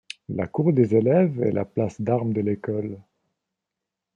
La cour des élèves est la place d'armes de l'École.